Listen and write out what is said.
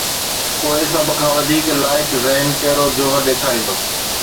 پوءِ سڀ کان وڌيڪ لائق ذهن ڪهڙو جوهر ڏيکاريندو؟